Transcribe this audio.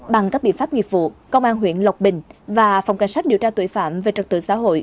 bằng các biện pháp nghiệp vụ công an huyện lộc bình và phòng cảnh sát điều tra tội phạm về trật tự xã hội